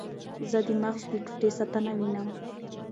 زه د مغز د ټوټې ساتنه وینم.